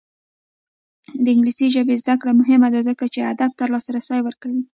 د انګلیسي ژبې زده کړه مهمه ده ځکه چې ادب ته لاسرسی ورکوي.